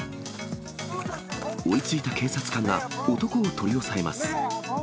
追いついた警察官が男を取り押さえます。